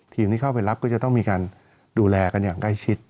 ที่เข้าไปรับก็จะต้องมีการดูแลกันอย่างใกล้ชิด